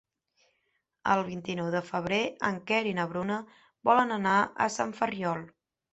El vint-i-nou de febrer en Quer i na Bruna volen anar a Sant Ferriol.